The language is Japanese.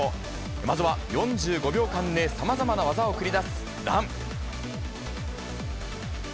まずは４５秒間でさまざまな技を繰り出すラン。